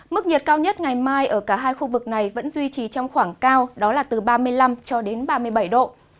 mức nhiệt cao nhất ngày mai ở cả hai khu vực này vẫn duy trì trong khoảng cao đó là từ ba mươi năm cho đến ba mươi bảy độ